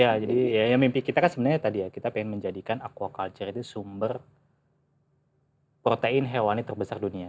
ya jadi mimpi kita kan sebenarnya tadi ya kita pengen menjadikan aquaculture itu sumber protein hewani terbesar dunia